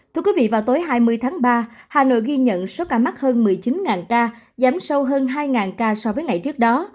thưa quý vị vào tối hai mươi tháng ba hà nội ghi nhận số ca mắc hơn một mươi chín ca giảm sâu hơn hai ca so với ngày trước đó